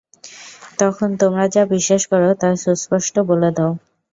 তখন তোমরা যা বিশ্বাস কর তা সুস্পষ্ট বলে দাও।